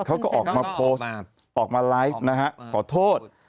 เขาก็ออกมาโพสต์ออกมาไลฟ์นะฮะขอโทษ